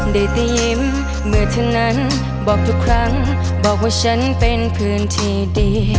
ได้แต่ยิ้มเมื่อฉันนั้นบอกทุกครั้งบอกว่าฉันเป็นเพื่อนที่ดี